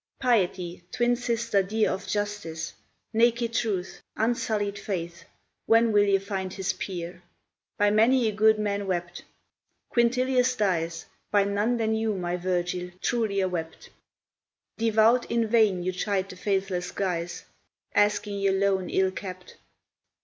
Piety, twin sister dear Of Justice! naked Truth! unsullied Faith! When will ye find his peer? By many a good man wept. Quintilius dies; By none than you, my Virgil, trulier wept: Devout in vain, you chide the faithless skies, Asking your loan ill kept.